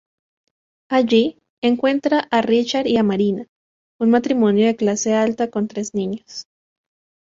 Allí, encuentra a Richard y Marina, un matrimonio de clase alta con tres niños.